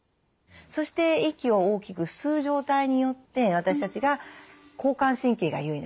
そして息を大きく吸う状態によって私たちが交感神経が優位な状態。